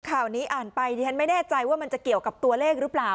ข่าวนี้อ่านไปดิฉันไม่แน่ใจว่ามันจะเกี่ยวกับตัวเลขหรือเปล่า